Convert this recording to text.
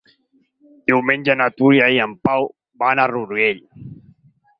Diumenge na Tura i en Pau van al Rourell.